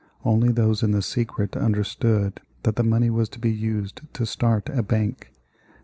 Only those in the secret understood that the money was to be used to start a bank.